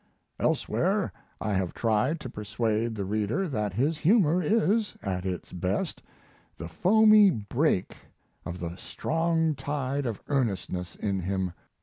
Elsewhere I have tried to persuade the reader that his humor is, at its best, the foamy break of the strong tide of earnestness in him.